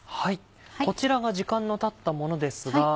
こちらが時間のたったものですが。